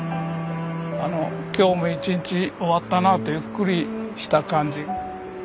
今日も一日終わったなあとゆっくりした感じ。